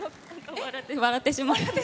笑ってしまって。